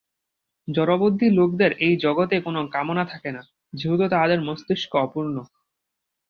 জড়বুদ্ধি লোকদের এই জগতে কোন কামনা থাকে না, যেহেতু তাহাদের মস্তিষ্ক অপূর্ণ।